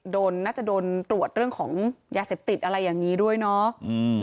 น่าจะโดนตรวจเรื่องของยาเสพติดอะไรอย่างนี้ด้วยเนาะ